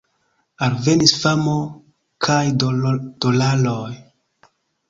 Alvenis famo, kaj dolaroj.